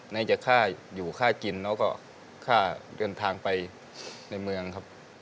น่าจะค่าอยู่ค่ากินแล้วก็ค่าเดินทางไปในเมืองครับ